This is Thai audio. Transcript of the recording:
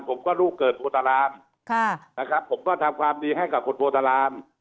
ผมก็ลูกเกิดโพตารามนะครับผมก็ทำความดีให้กับคนโพตาราม